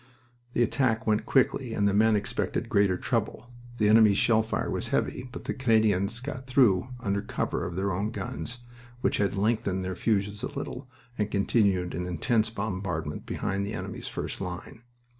The attack went quickly and the men expected greater trouble. The enemy's shell fire was heavy, but the Canadians got through under cover of their own guns, which had lengthened their fuses a little and continued an intense bombardment behind the enemy's first line.